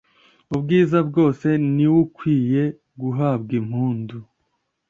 ubwiza bwose, ni w'ukwiye guhabw'impundu